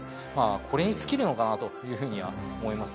これに尽きるのかなというふうには思います。